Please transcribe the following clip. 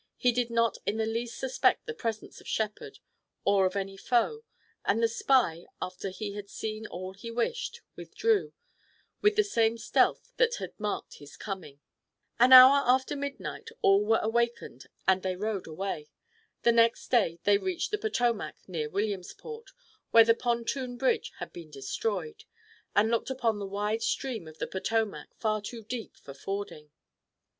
He did not in the least suspect the presence of Shepard or of any foe, and the spy, after he had seen all he wished, withdrew, with the same stealth that had marked his coming. An hour after midnight all were awakened and they rode away. The next day they reached the Potomac near Williamsport, where their pontoon bridge had been destroyed, and looked upon the wide stream of the Potomac, far too deep for fording.